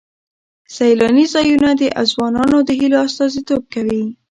سیلاني ځایونه د ځوانانو د هیلو استازیتوب کوي.